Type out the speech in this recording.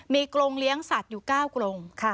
มีกรงเลี้ยงสัตว์อยู่๙กรง